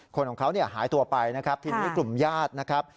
คนของเขาเนี่ยหายตัวไปนะครับทีนี้กลุ่มญาตินะครับ